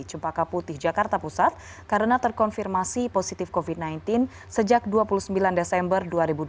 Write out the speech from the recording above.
cempaka putih jakarta pusat karena terkonfirmasi positif covid sembilan belas sejak dua puluh sembilan desember dua ribu dua puluh